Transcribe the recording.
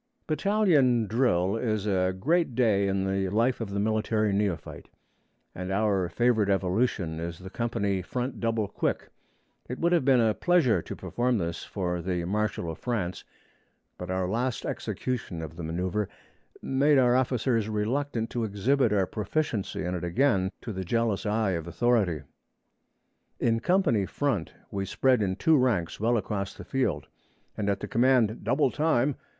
Battalion drill is a great day in the life of the military neophyte, and our favorite evolution is the company front double quick. It would have been a pleasure to perform this for the Marshal of France, but our last execution of the manoeuvre made our officers reluctant to exhibit our proficiency in it again to the jealous eye of authority. In company front, we spread in two ranks well across the field, and at the command 'Double time!'